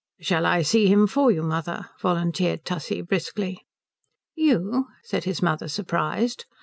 "Shall I see him for you, mother?" volunteered Tussie briskly. "You?" said his mother surprised.